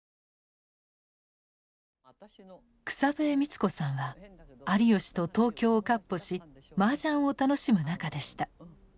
草笛光子さんは有吉と東京を闊歩しマージャンを楽しむ仲でした。